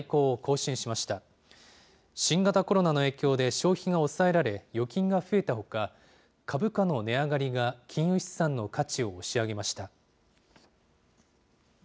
新型コロナの影響で消費が抑えられ、預金が増えたほか、株価の値上がりが金融資産の価値を押し上げました。